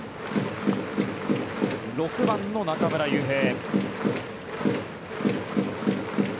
６番の中村悠平。